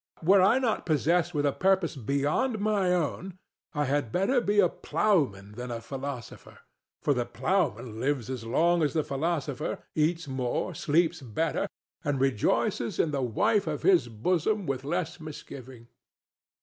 Were I not possessed with a purpose beyond my own I had better be a ploughman than a philosopher; for the ploughman lives as long as the philosopher, eats more, sleeps better, and rejoices in the wife of his bosom with less misgiving.